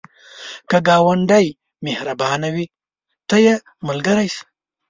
که ګاونډی مهربانه وي، ته یې ملګری شه